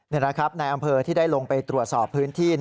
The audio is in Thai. นี่นะครับในอำเภอที่ได้ลงไปตรวจสอบพื้นที่